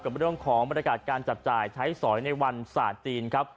กับเรื่องของบรรยากาศการจับจ่ายใช้สอยในวันศาสตร์จีนครับ